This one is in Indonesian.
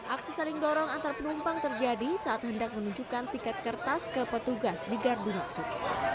aksi saling dorong antar penumpang terjadi saat hendak menunjukkan tiket kertas ke petugas di gardu masuk